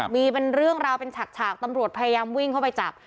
มีเป็นเรื่องราวเป็นฉากตำรวจพยายามวิ่งเข้าไปจับ